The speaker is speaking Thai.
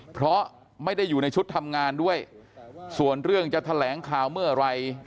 เพราะไม่ได้อยู่ในชุดทำงานด้วยส่วนเรื่องจะแถลงข่าวเมื่อไหร่